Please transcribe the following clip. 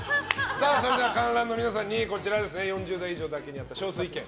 それでは観覧の皆さんにこちら、４０代以上にあった少数意見。